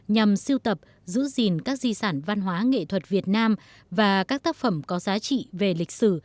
nhằm siêu tập giữ gìn các di sản văn hóa nghệ thuật việt nam và các tác phẩm có giá trị về lịch sử